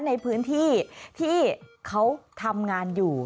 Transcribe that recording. ในพื้นที่ที่เขาทำงานอยู่